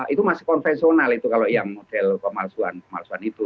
itu masih konvensional itu kalau yang model pemalsuan pemalsuan itu